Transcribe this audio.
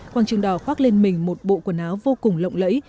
quang trường đỏ khoác lên mình một bộ quần áo vô cùng lộng lẫy